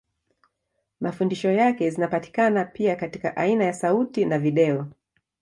Mafundisho yake zinapatikana pia katika aina ya sauti na video.